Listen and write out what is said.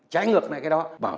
trái ngược lại cái đó